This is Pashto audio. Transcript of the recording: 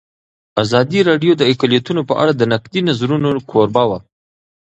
ازادي راډیو د اقلیتونه په اړه د نقدي نظرونو کوربه وه.